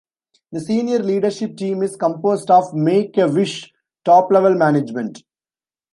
The senior leadership team is composed of Make-A-Wish's top-level management.